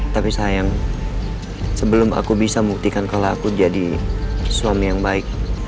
tapi sayang sebelum aku bisa membuktikan kalau aku jadi suami yang baik